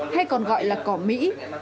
hay còn gọi là cỏ mỹ